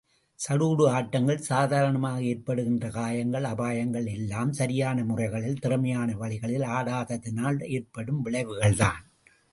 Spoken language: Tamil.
சடுகுடு ஆட்டங்களில் சாதாரணமாக ஏற்படுகின்ற காயங்கள், அபாயங்கள் எல்லாம் சரியான முறைகளில், திறமையான வழிகளில் ஆடாததினால் ஏற்படும் விளைவுகள்தான்.